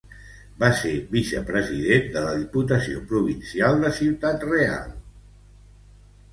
Va ser vicepresident de la Diputació Provincial de Ciudad Real.